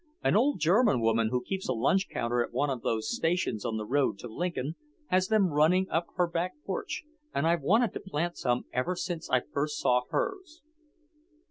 An old German woman who keeps a lunch counter at one of those stations on the road to Lincoln has them running up her back porch, and I've wanted to plant some ever since I first saw hers."